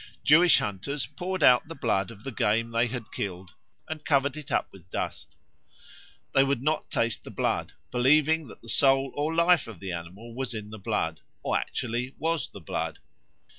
Jewish hunters poured out the blood of the game they had killed and covered it up with dust. They would not taste the blood, believing that the soul or life of the animal was in the blood, or actually was the blood.